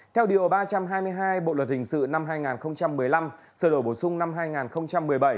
theo điều ba trăm hai mươi hai bộ luật hình sự năm hai nghìn một mươi năm sở đổi bổ sung năm hai nghìn một mươi bảy